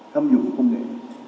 thâm dụng công nghệ